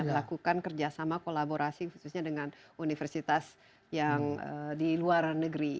melakukan kerjasama kolaborasi khususnya dengan universitas yang di luar negeri